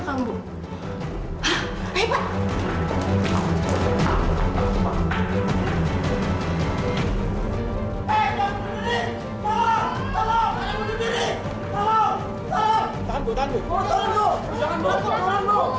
kamu baik baik saja